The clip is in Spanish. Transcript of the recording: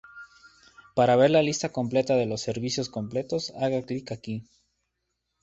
Para ver la lista completa de los servicios completos haga clic aquí.